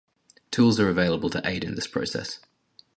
Tools are available to aid in this process.